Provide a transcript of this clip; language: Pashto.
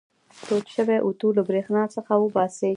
تود شوی اوتو له برېښنا څخه وباسئ.